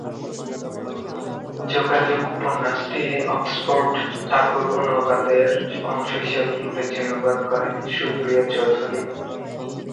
যোগাযোগ উপন্যাসটি অক্সফোর্ড ঠাকুর অনুবাদের অংশ হিসেবে ইংরেজি অনুবাদ করেন সুপ্রিয়া চৌধুরী।